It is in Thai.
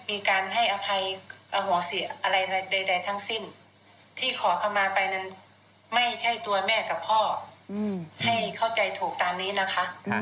ให้เข้าใจถูกตามนี้นะคะ